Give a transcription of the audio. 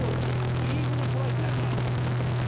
イーグルトライになります。